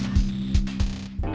siapa lagi kalo bukan davin